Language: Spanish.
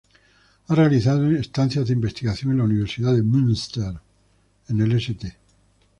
Ha realizado estancias de investigación en la Universidad de Münster, en el St.